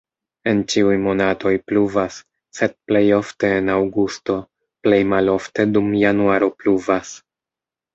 En ĉiuj monatoj pluvas, sed plej ofte en aŭgusto, plej malofte dum januaro pluvas.